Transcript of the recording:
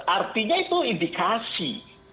artinya itu indikasi